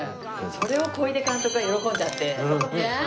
それを小出監督が喜んじゃって。